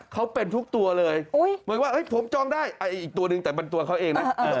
เขาเป็นทุกตัวเลยเหมือนว่าผมจองได้อีกตัวหนึ่งแต่เป็นตัวเขาเองนะ